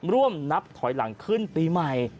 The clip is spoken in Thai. นับถอยหลังขึ้นปีใหม่